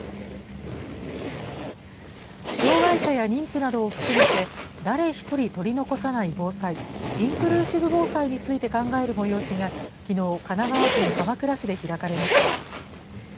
障害者や妊婦などを含めて誰ひとり取り残さない防災、インクルーシブ防災について考える催しが、きのう、神奈川県鎌倉市で開かれました。